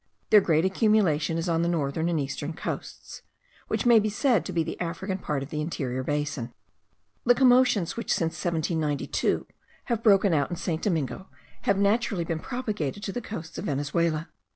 Their great accumulation is on the northern and eastern coasts, which may be said to be the African part of the interior basin. The commotions which since 1792 have broken out in St. Domingo, have naturally been propagated to the coasts of Venezuela.